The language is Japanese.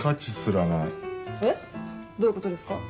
えっどういう事ですか？